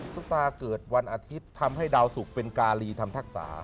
ตุ๊กตาเกิดวันอาทิตย์ทำให้ดาวสุกเป็นการีทำทักษา